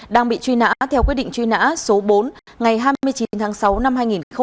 đang bị truy nã theo quyết định truy nã số bốn ngày hai mươi chín tháng sáu năm hai nghìn một mươi